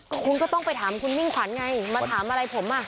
คุณก็ต้องไปถามคุณมิ่งขวัญไงมาถามอะไรผมอ่ะ